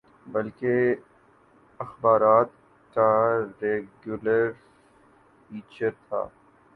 بلکہ اخبارات کا ریگولر فیچر تھا۔